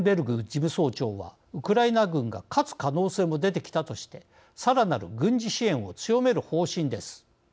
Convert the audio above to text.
事務総長はウクライナ軍が勝つ可能性も出てきたとしてさらなる軍事支援を強める方針です。